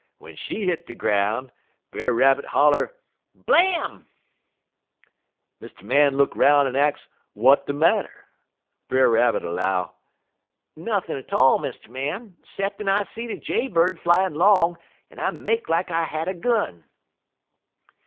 Wen she hit de groun', Brer Rabbit holler: "'Blam!' "Mr. Man look 'roun' en ax w'at de marter. Brer Rabbit 'low: "'Nothin' 't all, Mr. Man, 'ceppin' I seed a jaybird flyin' 'long, en I make lak I had a gun.'